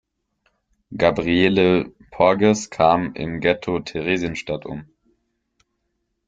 Gabriele Porges kam im Ghetto Theresienstadt um.